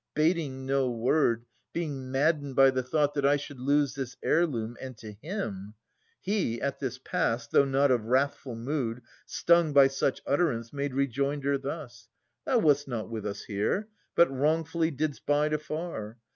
Bating no word, being maddened by the thought That I should lose this heirloom, — and to him ! He, at this pass, though not of wrathful mood. Stung by such utterance, made rejoinder thus : 'Thou wast not with us here, but wrongfully Didst bide afar.